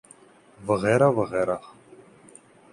وغیرہ وغیرہ۔